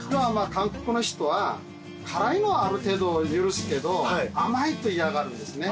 韓国の人は辛いのはある程度許すけど甘いと嫌がるんですね。